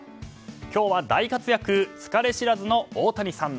今日は大活躍疲れ知らずの大谷さん。